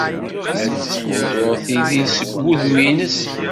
La d-tettquddur tidi seg wudem-nnes.